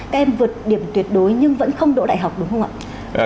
các em vượt điểm tuyệt đối nhưng vẫn không đỗ đại học đúng không ạ